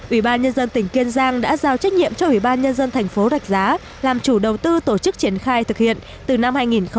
ubnd tp kiên giang đã giao trách nhiệm cho ubnd tp rạch giá làm chủ đầu tư tổ chức triển khai thực hiện từ năm hai nghìn một mươi sáu